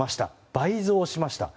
倍増しました。